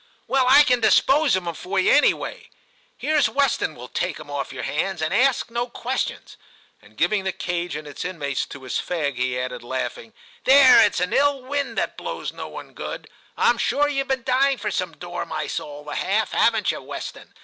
'Well, I can dispose of em for you any way; here's Weston will take 'em off your hands and ask no questions.' And giving the cage and its inmates to his fag, he added, laughing, 'There, it's an ill wind that blows no one good ; I'm sure you've been dying V TIM III for some dormice all the half, haven't you, Weston